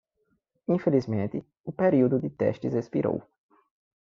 Infelizmente, o período de teste expirou.